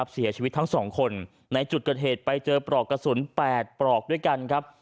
เสียชีวิตทั้ง๒คนในจุดเกิดเหตุไปเจอปลอกกระสุน๘ปลอกด้วยกันครับ